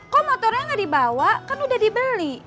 kok motornya nggak dibawa kan udah dibeli